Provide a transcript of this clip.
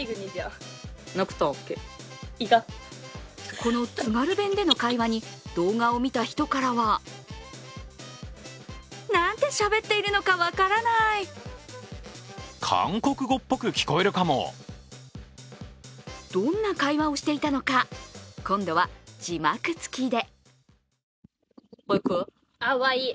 この津軽弁での会話に動画を見た人からはどんな会話をしていたのか今度は字幕付きで。